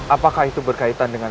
apakah itu berkaitan dengan